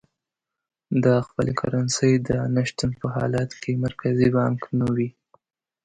د خپلې کرنسۍ د نه شتون په حالت کې مرکزي بانک نه وي.